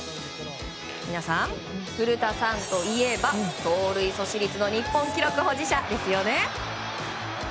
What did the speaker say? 皆さん、古田さんといえば盗塁阻止率の日本記録保持者ですよね。